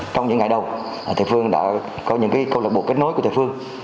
trong những ngày đầu thầy phương đã có những câu lạc bộ kết nối của thầy phương